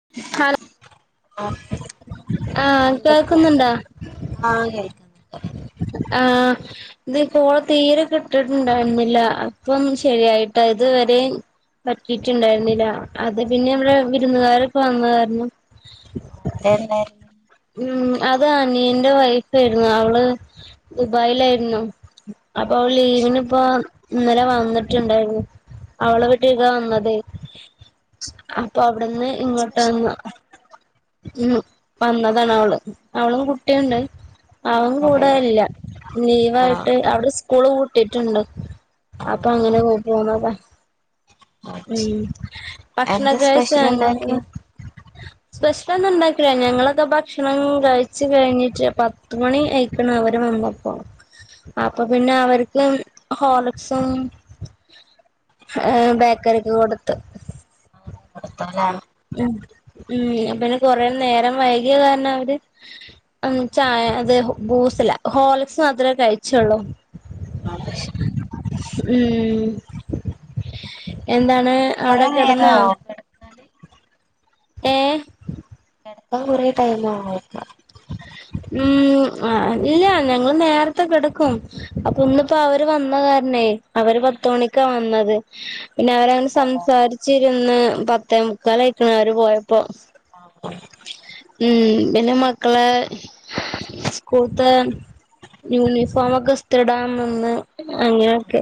[unintelligible] [unintelligible] ആഹ് കേൾക്കുന്നുണ്ടോ ആഹ് കേക്ക് ആഹ് ഇത് കോള് തീരെ കിട്ടുണ്ടായിരുന്നില്ല അപ്പം ശരിയായിട്ട് ഇത് വരെ പറ്റിട്ടുണ്ടായിരുന്നില്ല അത് പിന്നെ അതെയോ നമ്മടെ വിരുന്നുകാരൊക്കെ വന്ന കാരണം എന്നെ ഉം അത് അനിയന്റെ വൈഫ് ആയിരുന്നു അവ ദുബായിലായിരുന്നു അപ്പൊ ആ അത് ശരി ലീവിന് ഇപ്പോ ഇന്നലെ വന്നിട്ടുണ്ടായിരുന്നു അവള വീട്ടിക്ക വന്നതേ അപ്പൊ അവിടുന്ന് എന്താ ഇങ്ങോട്ടന്ന് സ്പെഷ്യലൊക്കെ ഉണ്ടാക്കി ഉം വന്നതാണ് അവള് അവള കുട്ടിയുണ്ട് അതെയോ കൂടല്ല. ആ ലീവായിട്ട് അവിടെ സ്കൂള് പൂട്ടിട്ടുണ്ട്. ആ അപ്പൊ അങ്ങനെ പോന്നത അത് ഉം ശരി എന്താ ഭക്ഷണക്കെ സ്പെഷ്യൽ കഴിച്ചങ്ങ ഉണ്ടാക്കി സ്പെഷ്യലൊന്നും ഉണ്ടാക്കില്ല ഞങ്ങളൊക്കെ ഭക്ഷണം കഴിച്ചു കഴിഞ്ഞിട്ട് പത്തുമണി ആയി അപണ് അവര് വന്നപ്പോ അപ്പൊ പിന്നെ അവർക്ക് ഹോർലിക്സും ഏഹ് ബേക്കറിക്ക് കൊടുത്ത് കൊട്ത്തുലേ ഉം ഉം പിന്നെ കൊറെ നേര വൈകിയകാരണം അവര് ഉം ചായ ത് ബൂസല്ല ഹോർലിക്സ് മാത്രേ കഴിച്ചൊള്ളൂ. അത് ശ ഉം എന്താണ് കൊറേ അവടെ കെടന്നാ നേരായോ കെടക്കാന് ഏഹ് കെട്ക്കാ കൊറേ ടൈമാവു- ഉം ആ ല്ല ഞങ്ങള് നേർത്തെ കെട്ക്കും. അപ്പം ഇന്ന്പ്പോ അവര് വന്ന കാരണേ അവര് പത്തുമണിക്കാ വന്നത് പിന്ന അവരെ. ന്ന് അതെല്ലേ? സംസാരിച്ചിരുന്ന് പത്തേമുക്കാലായിക്കണ് അവര് പോയപ്പോ. ആ. ഉം പിന്ന മക്കളെ സ്കൂൾത്തെ യൂനിഫോമൊക്കെ ഇസ്തിരിടാൻ നിന്ന് അങ്ങനെയൊക്കെ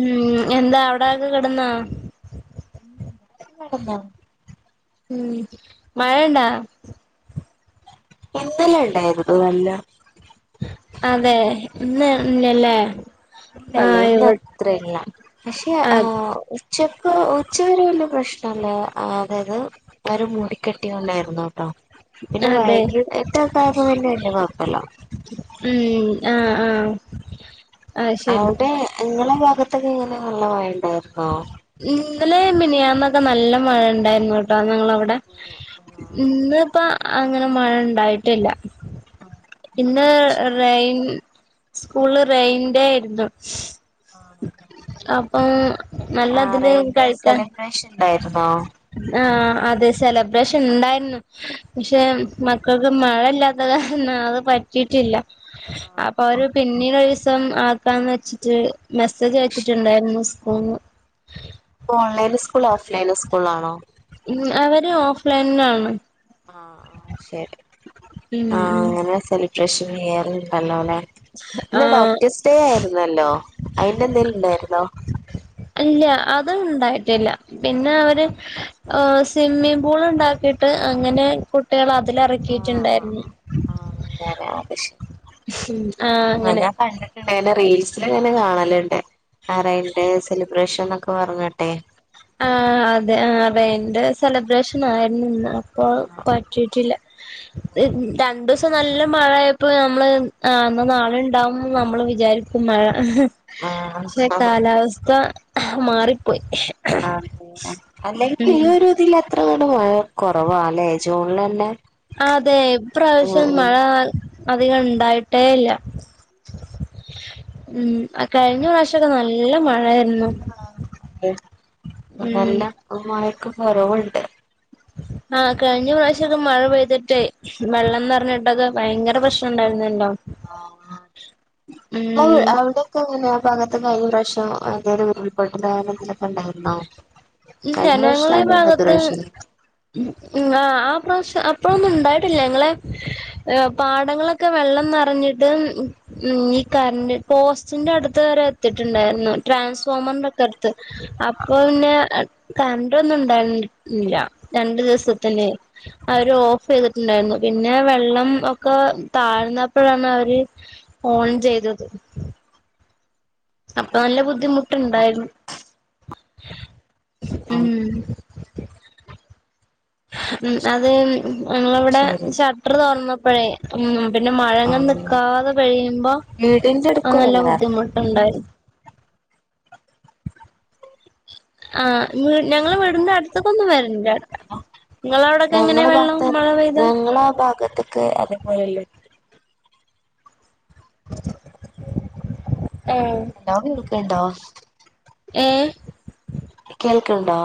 ഉം എന്താ ഔടെക്കെ കെട്ന്നാ. കെടന്നാ ഉം മഴ ണ്ടാ ഇന്നല ഇണ്ടായിരുന്നു നല്ല അതെ ഇന്ന് ഇല്ലല്ലേ ല്ലല്ല ആഹ് ഇവ ഇന്നത്ര ല്ല പശെ ആ ക്ഷെ പ്പോ ഉച്ചവരെ വല്ല പ്രശ്നല്ല ആ അതായ്ത്. അരു മൂടിക്കെട്ടിയോണ്ടായിര്ന്നു ട്ടോ. പിന്നെ അതെ വൈകി എത്താത്തായപ്പോ പിന്നെ വല്യ കൊഴപ്പല്ല. ഉം ആഹ് ആഹ് അത് ശരി ഔടെ ഇങ്ങളെ ഭാഗത്തൊക്കെ ങ്ങനെ നല്ലമയണ്ടായിര്ന്നോ? ഇന്നലെ മിനിയാന്നൊക്കെ നല്ല മഴ ഇണ്ടായിരുന്നുട്ടോ ഞങ്ങളവടെ ട ഇന്ന്പ്പ അങ്ങനെ മഴ ണ്ടായിട്ടില്ല. ന്ന് റെയ്ൻ സ്കൂൾല് റെയിൻഡേ യ്ര്ന്നു. അപ്പം ആഹ് നല്ലതില് റെയിൻ ഡേ കഴിക്കാൻ. സെലിബ്രേഷൻ ഉണ്ടായിരുന്നോ ആഹ അതെ സെലബ്രേഷൻ ഇണ്ടായിരുന്നു പക്ഷേ മക്കൾക്ക് മഴയില്ലാത്ത കാരണംഅത് പറ്റിട്ടില്ല അപ്പൊ ഒരു പിന്നീടൊരിസം ആക്കാന്ന് വെച്ചിട്ട് മെസ്സേജ് അയച്ചിട്ടുണ്ടായിരുന്നു സ്കൂൾന്ന്. ഇപ്പ ഓൺലൈൻ സ്കൂള് ഓഫ് ലൈൻ സ്കൂളാണോ ഇം അവര് ഓഫ്‌ലൈൻനാണ്. ആഹ് ശരി ഉം ആഹ് ഉം അങ്ങനെ സെലിബ്രേഷൻ ചെയർ ണ്ടല്ലോ ലെ. ന്ന് ആഹ് ഡോക്ടേസ് ഡേ ആയിരുന്നല്ലോ അയ്ന്റെന്തേലും ണ്ടായിര്ന്നോ? അല്ല അത് ണ്ടായിട്ടില്ല. പിന്നെ അവര് സ്വിമ്മിങ് പൂള് ഇണ്ടാക്കിട്ട് അങ്ങനെ കുട്ടികളെ അതിലറി ആഹ് റക്കീറ്റുണ്ടായിരുന്നു ആഹ് ആഹ് അങ്ങനെ അങ്ങന അത്ശെരി ഞാൻ കണ്ടിട്ട് [unintelligible] റീൽസിലൊക്കെ കാണലുണ്ട് ആറെന്റെ സെലിബ്രേഷൻന്നക്കെ പറഞ്ഞട്ടെ ആഹ് അതെ ആഹ് അതന്റെ സെലിബ്രേഷൻ ആയിരുന്നുന്ന് കാറു പറ്റീട്ടില്ല ത് രണ്ടുസ് പ്പ നല്ല മഴയപ്പോ നമ്മള് അ എന്ന നാളെണ്ടാവുന്ന് നമ്മള് വിചാരിക്കും മഴ. ആഹ് ശെ ആഹ് കാലാവസ്ഥ മാറിപ്പോയി. അതെന്നെ അല്ലേൽ ഉം ഈയൊരുതി ല അത്രങ്ങട് മഴ കൊറവാല്ലേ ജൂൺലെന്നെ അതെ ഇപ്രവിശ്യാം മഴ അധികം ഇണ്ടായിട്ടേയില്ല ഉം അ കഴിഞ്ഞ പ്രാവിശൊക്കെ നല്ല മഴയായ്ര്ന്നു. ആഹ് അ ഉം നല്ലമായിട്ട് കൊറവ്ണ്ട്. ആഹഹ് കഴിഞ്ഞ പ്രാവശ്യൊക്കെ മഴ പെയ്തിട്ടേ. വെള്ളം നെറഞ്ഞിട്ടത് ഭയങ്കര പ്രശ്നണ്ടായിരുന്നല്ലോ. ആഹ് ടെ ഉം ആഹ് ടെ. പകത്ത് ഭാഗത്ത് കയ്ഞ്ഞ വർഷം അതായത് ഉരു പൊട്ടൽ [unintelligible] ണ്ടായിരുന്നോ ഇല്ല കഴിഞ്ഞ പ്രാവശ്യാലും മത്തെ പ്രാവശ്യ. ഉഹ് ഉഹ് ആഹ് ആ പ്രാവശ്യം അപ്പഴൊന്നും ഇണ്ടായിട്ടില്ല ഇങ്ങള്. പാടങ്ങളക്കെ വെള്ളം നിറഞ്ഞിട്ട്. ഉഹ് ഈ കറണ്ട് പോസ്റ്റിന്റെടുത്ത് വരെ എത്തിട്ടുണ്ടായിുന്നു. ട്രാൻസ്ഫോമറിന്റെൊക്കെടുത്ത് അപ്പൊ ന്നെ. കരാണ്ടോന്നും ഇണ്ടായിരില്ല രണ്ടു ദിവസത്തിന്. അവര് ഓഫ് യ്തിട്ടുണ്ടായിന്നു പിന്നെ വെള്ളം ഒക്കെ താഴ്ന്നപ്പ ഴാണ് അവര്. ഓൺ ചെയ്തത്. അപ്പൊ നല്ല ബുദ്ധിമുട്ടുണ്ടായിരുന്നു ഉം. ഉഹ് അത് ഞങ്ങളവടെ ശരി ഷട്ടർ തൊ റന്നപ്പഴേ. ഉം പിന്നെ മഴങ്ങങ് ആഹ് നിക്കാതെ പെ യുമ്പോ വീടിന്റെ അ നല്ല അടുക്കലല്ലായിരുന്നോ ബുദ്ധിമുട്ടുണ്ടായിന്നു. ആഹ് ഞങ്ങളെ വിടന്റടുത്തൊക്കൊ ന്നും വരല്ല. ഇങ്ങളവടൊക്കെങ്ങനെ വെള്ളം മഴ പെയ്താ ങ്ങ്ളാ ഭാഗത്ത്. ക്ക് അതേപോലെല്ലേ. ഏഹ് എല്ലാവും ടുക്കല്ണ്ടോ? ഏഹ്. കേൾക്ണ്ടോ?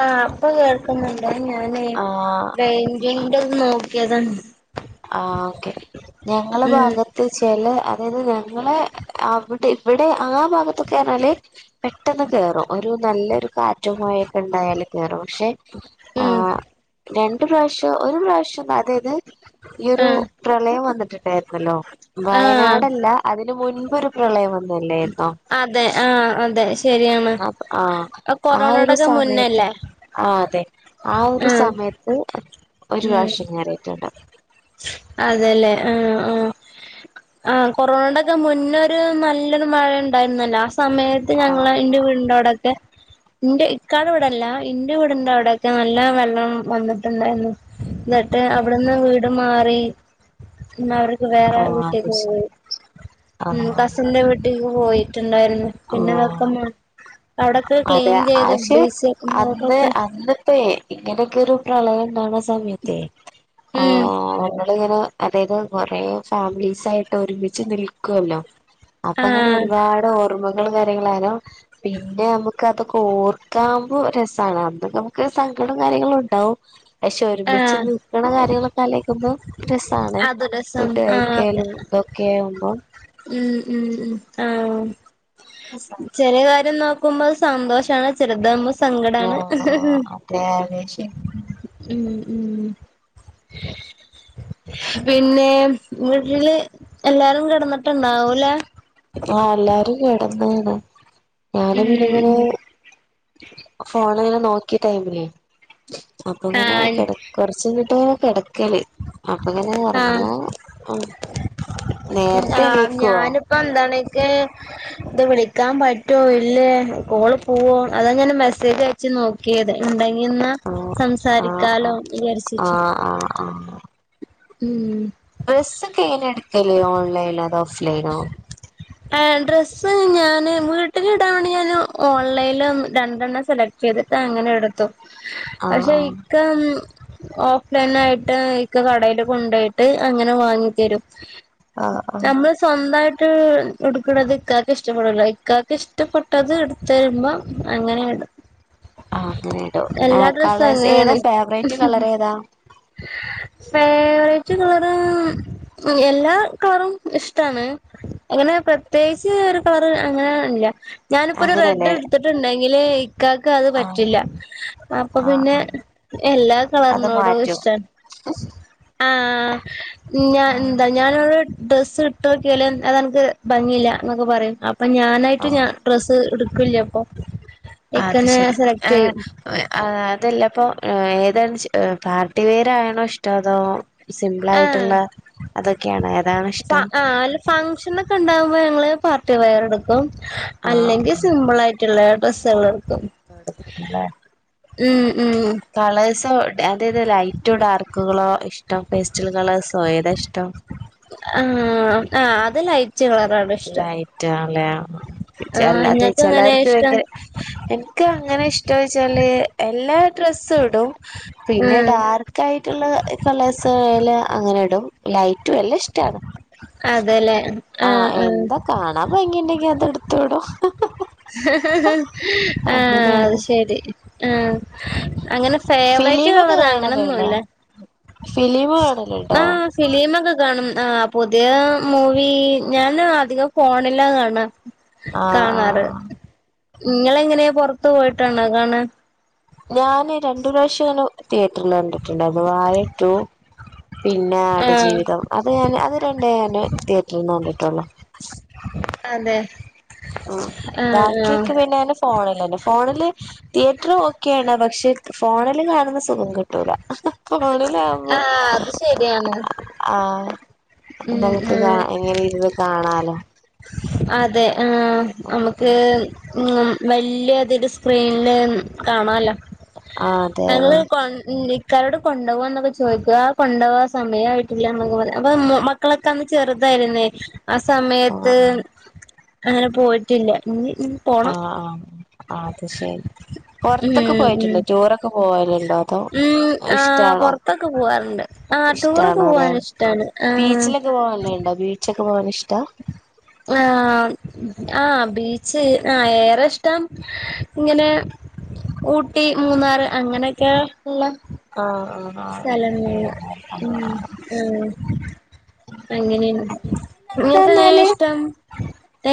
ആഹ് ഇപ്പൊ കേൾക്കുന്ന്ണ്ട് അയ് ഞാനേ ആഹ് റൈ എന്താണന്ന് നോക്കിയതാണ്. ആഹ് ഓക്കെ ഞങ്ങള ഉം ഭാഗ ത്ത് ചല് അതാത് ഞങ്ങളെ അവ ടെ ഇവടെ ആ ഭാഗത്തൊക്കെ റഞ്ഞാല്. പെട്ടെന്ന് കേറും ഒരു നല്ലൊരു കാറ്റൊ, മായൊക്കണ്ടായാല് കേറും പശേ. ഉം. രണ്ട് പ്രാവശ്യം ഒരു പ്രാവശ്യം. അതെതെ. ഈ ഒരു ആഹ് പ്രളയം വന്നിട്ട്ണ്ടാ യിരുന്നല്ലോ ആഹ് വയനാടല്ല അതിന് മുൻപൊരു. പ്രളയം വന്നല്ലേന്നോ? അതെ ആഹ് അതെ ശരിയാണ് ആഹ് ആ ഒരു കൊറോണയടെക്കെ സമയത്ത് മുന്നല്ലേ? ആഹ് അതെ ആഹ് ഒരു സമയത്ത് ഒരു ഉം റാവശ്യം റിയിട്ടുണ്ട്. അതെല്ലേ ആഹ് ആഹ്. ആഹ് കൊറോണടക്കെ മുന്നര് നല്ലൊരു മഴണ്ടായിരുന്നല്ലോ ആസമയത്ത്. ആഹ് ഞങ്ങള ഇന്റെ ആഹ് വീടിന്റെ അവ ടൊക്കെ. ഇന്റെ ഇക്കാടെ ഈടല്ല ഇന്റെ വീടിന്റവടൊക്കെ നല്ല വെള്ളം വന്നിട്ടുണ്ടായിന്നു. ഇന്നട്ട് അവിടുന്ന് വീട് മാറി. ന്നാ വർക്ക് ആഹ് വേറെ ഓഹ് അത് വീട്ടിലക്ക് ശരി പോയി ഉ ആഹ് കസിന്റെ വീട്ടി ക്ക് പോയിട്ടുണ്ടായിരുന്നു. ആഹ് പിന്നെതൊക്ക അവിടൊക്കെ അതെ ക്ലീൻ ചെയ്ത് ബ്ലീച്ചിങ്പൗഡ്രോക്കെ. അപ്പേ ഇങ്ങനെയൊക്കെ ഒരു പ്രളയം ആഹ് സമയത്ത ആ ഉം നമ്മളിങ്ങനെ അതാത് കൊറേ ഫാമിലീസായിട്ട് രുമിച്ച് നിൽക്കൊല്ലോ. ആഹ് അപ്പങ്ങനെരുപാട് ഓർമകള് ര്യങ്ങളരും. പിന്നെ അമ്മക്ക് അതൊക്കെ ഓർക്കാവ്പോ രസാണ് ന്നൊക്കെ മക്ക് സങ്കടം കാര്യങ്ങളും ഉണ്ടാവും. പശേ ഒരുമിച്ച് ആഹ് നിക്കണ കാര്യങ്ങളൊക്കെ അലോയ് ക്കുമ്പോ രസാണ്. അത് രസം ഫുഡ് ആഹ് അതെ കഴിക്കലും തൊക്കെ വുംപോ. ഉം ഉം ഉം ആഹ്. [inaudible] ചെറിയ കാര്യം നോക്കുമ്പോ സന്തോഷാ ണ് ചെറുതാ സങ്കടാണ് ആഹ് അതെ അതെ ശരി ഉം ഉം ഉം പിന്നെ വീട്ടില് എല്ലാരും കിടന്നോ? ട്ട് ണ്ടാ വൂല്ല ആഹ് എല്ലാരും കെടന്നാണ് ഞാന് ഉം പിന്നങ്ങനെ ഉം ഫോണിൽ നോക്കിട്ടൈമേ അപ്പൊ ഇങ്ങനെ ആഹ് കെട കൊറ ച് ചെയ്തിട്ടേ കെടക് [unintelligible] അപ്പൊ ഇങ്ങനെ ആഹ് ഒർങ്ങാ നേര് ത്തെ ണീക്കോ പ്പന്തണക്ക് ത് വിളിക്കാൻ പറ്റുവോ ഇല്ലേ കോള് പോവോ അതെങ്ങനെ മെസ്സേജ് ആയി ച്ച് നോക്കിയത് ഉണ്ടെങ്കി ന്നാ ആഹ് സംസാരിക്കാലോ വിജാര് ച്ച് ട്ട് അ മ്മ് ഡ്രസ്സൊക്കെ എങ്ങനെ എടുക്കലേോ ഓൺലൈനോതോ ഓഫ്‌ലൈനോ [inaudible] ആ ഡ്രസ്സ് ഞാന് വീട്ടില് ടാൻ വേണ്ടി ഞാന് ഓൺലൈലും രണ്ടെണ്ണം സെലക്ട് ചെയ്തിട്ട് അങ്ങനെ എടുത്തു പക്ഷെ ആഹ് ഇക്കം ഓഫ്‌ലൈൻ ആയിട്ട് ഇക്ക കടെല് കൊണ്ടോയിട്ട് അങ്ങനെ വാങ്ങി തരും ആഹ് ആഹ് സ്വന്തമായിട്ട് എടുക്ക്ണത് ഇക്കക്ക് ഇഷ്ടപ്പടൂല ഇക്കക്ക് ഇഷ്ടപ്പെട്ടത് തരുമ്പോം അങ്ങനെ ടും ആ അങ്ങനെടൊ ആ ഡ്രസ്സും കളേഴസ് ഏതാ അങ്ങനെയാണ് ഫേവറേറ്റ് കളർ ഏതാ? [unintelligible] ഫവറേറ്റ് കളർ എല്ലാ കളറും ഇഷ്ടമാണ് അങ്ങനെ പ്രത്യേകിച്ച് ഒരു കള റ് അങ്ങനെ ഇല്ല ഞാനിപ്പോ ഒരു റെഡ് അങ്ങനെയല്ലേ എടുത്തിട്ടുണ്ടെങ്കില് ഇക്കാക്ക് അത് ആഹ് പറ്റില്ല അപ്പൊ ആഹ് പിന്നെ ആഹ് എല്ലാ അത് കളറിനോടും മാറ്റും ഇഷ്ടം ആ ഞാൻ ആഹ് എന്ത ഞാനൊരു ഡ്രസ്സ് ഇട്ടോക്കിയാല അതനിക്ക് ഭംഗിയില്ല എന്നൊക്കെ പറയും അപ്പൊ ഞാനായിട്ട് ഞാൻ ആഹ് ഡ്രസ്സ് ഇ ടുക്ക് ല്ല പ്പൊ ഇ ക്കന്നെ സെലക്ട് ചെയ്യും ആ അതല്ല പ്പൊ ഏത ച്ച് പാർട്ടി വെയർ ആണോ ഇഷ്ടം അതോ സിംപിള ആഹ് ആയിട്ടുള്ള അതൊക്കെയാണ് ഏതാണ് ഇഷ്ടം ഫംഗ്ഷന ഒക്കെ ഉണ്ടാവുമ്പോ ഞങ്ങള് പാർട്ടി വെയർ എടുക്കും അല്ലെങ്കിൽ ആഹ് സിമ്പിൾ ആയിട്ട് [unintelligible] ഡ്രസ്സ് ളെ എടുക്കും ടുക്കുംല്ലേ ഉം ഉം കളേഴ്സ് അതായത് ലൈറ്റോ ഡാർക്കുകളോ ഇഷ്ടം പെസ്റ്റൽ കളേഴ്സോ ഏതാ ഇഷ്ടം ആഹ് ആ അത് ലൈ ച്ച് കള റാണ് ലൈറ്റാ ല്ലെ ആഹ് അല്ലാതെ ഇങ്ങക്ക് എങ്ങനെ ചെലർക് ഇഷ്ടം ഭയങ്കര എൻ ക്ക് അങ്ങനെ ഇഷ്ടാ വെച്ചാല് എല്ലാ ഡ്രസ്സും ഇടും പിന്നെ ഉം ഡാർക്ക് ല യിട്ടുള്ള കള്ളേഴ്സെല് അങ്ങനെ ഇടും ലൈറ്റ് വല്ലാം ഇഷ്ടാ ണ് അതെല്ലേ? ആഹ് എന്താ കാണാൻ ഭംഗിണ്ടെങ്കി അതെ ടുത്തോടൊ ആഹ് അത് അങ്ങനെയാണ് ശരി ആ അങ്ങനെ- ഫേവറേറ്റ് കളറ് അങ്ങനെന്നുംല്ലാ ഫിലിമ് കാണല്ലോണ്ടോ ഫിലീ മൊക്കെ കാണും ആ പുതിയ മൂവി ഞാൻ അധികം ഫോണിലാ കാണാ ആഹ് കാണാറ് ആഹ് നിങ്ങൾ എങ്ങനെയാ പുറത്ത് പോയിട്ടണോ കാണാ ഞാന് രണ്ടു പ്രാവശ്യംങ്ങനെ തിയേറ്റർല് കണ്ടിട്ടുണ്ടായിര് ന്നു വായ റ്റു പിന്നെ ആട് ആഹ് ജീവിതം അത് ഞാന് അത് രണ്ടേ ഞാന് തിയേറ്ററിൽ കണ്ടിട്ടുള്ളൂ അതെ. ഉം ആഹ് ആഹ് ബാക്കിയൊക്കെ പിന്നെ ഞാൻ സ് ഫോണിൽഅല്ലെ ഫോണിൽ തിയറ്ററ് ഒക്കെയാണ് പക്ഷെ ഫോണിൽ കാണുന്ന. സുഖം കിട്ടൂല ഫോണിൽ ആകുമ്പോ ആഹ് അത് ശരിയാണ് ആഹ്. ഉം നമുക്ക് കാ ആഹ് ഇങ്ങനെ ഇരുന്ന് കാണാലോ? അതെ ആഹ് നമുക്ക്. ഉം വലിയതില് സ്ക്രീനില് കാണാല്ലോ? ആഹ് അതെ ഞങ്ങള് അതെ പണ്ട് നി ഇക്കാനോട് കൊണ്ടുപോവാ എന്നൊക്കെ ചോദിക്ക ആ കൊണ്ടപോവാ സമയമായിട്ടില്ല എന്നൊക്കെ പറയും അപ്പൊ മ ക്കളൊക്കെ അന്ന് ചെറുതായിരുന്നേ ആഹ് ആഹ് സമയത്ത്. അങ്ങനെ പോയിട്ടില്ല ഇനി ഉം. ആഹ് ആഹ് അത് ശരി. ഉം പൊറത്തൊക്കെ ഉം പോയിട്ടുണ്ടോ ടൂറൊക്കെ പോവാലുണ്ടോ അതോ ഇഷ്ടാണോ? ട്രിപ്പോക്കെ പോവാറുണ്ട് ആഹ് ടൂറൊക്കെ ഇഷ്ടാണോ അല്ലെ പോവാൻ ഇഷ്ടാണ് ആഹ്. ഒറ്റക്ക്പോവാൻ ഇഷ്ടാ. ആഹ് ആഹ് ബീച്ച് ആ ഏറെ ഇഷ്ടം. ഇങ്ങനെ ഊട്ടി മൂന്നാറ് അങ്ങനെയൊക്കെ ഉള്ള. ആഹ് ആഹ്. സ്ഥലങ്ങ ആഹ് ഉം ഉം. അങ്ങനെയാണ് നിങ്ങൾക്ക് എങ്ങനെ എന്താന്നാല് ഇഷ്ടം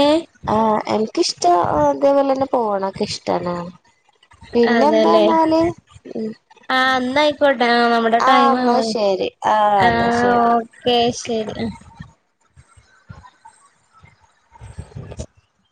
ഏഹ്. ആഹ് എനിക്കിഷ്ടം അതേപോലെ തന്നെ പോകണൊക്കെ ഇഷ്ടാണ്. പിന്നെന്താെന്നാല് ഉം. ആഹ് ഇന്നായിക്കോട്ടെ നമ്മ ആഹ് ടൈം എന്നാ പോയി ശരി ആഹ് എന്നാ ആഹ് ശരി ഓക്കേ ശരി.